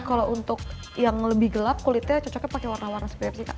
kalau untuk yang lebih gelap kulitnya cocoknya pakai warna warna seperti apa sih kak